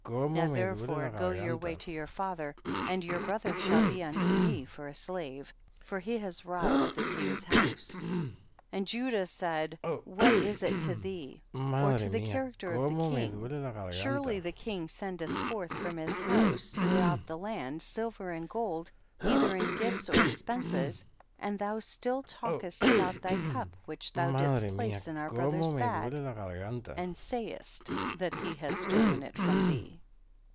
14. Now therefore go your way to your father, and your brother shall be unto me for a slave, for he has robbed the king's house. And Judah said, what is it to thee or to the char acter of the king, surely the king sendeth forth from his house, through out the land, silver and gold either in gifts or expenses, and thou still talk est about thy cup which thou didst place in our brother's bag and sayest that he has stolen it from thee